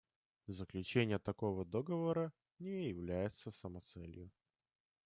Заключение такого договора не является самоцелью.